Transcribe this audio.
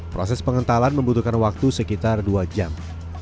proses pengentalan membutuhkan waktu sekitar dua jam